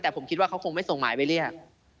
แต่ผมคิดว่าเขาคงไม่ส่งหมายไปเรียก